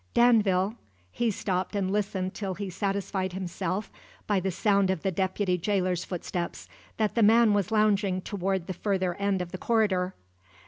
Danville " He stopped and listened till he satisfied himself, by the sound of the deputy jailer's footsteps, that the man was lounging toward the further end of the corridor.